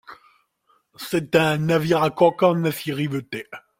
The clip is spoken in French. C'est un navire à coque en acier riveté.